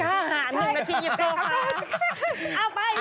กล้าหาหนึ่งนาทีหยิบโซฟา